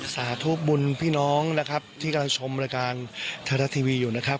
สาธุบุญพี่น้องนะครับที่กำลังชมรายการไทยรัฐทีวีอยู่นะครับ